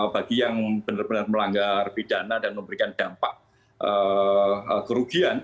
bagi yang benar benar melanggar pidana dan memberikan dampak kerugian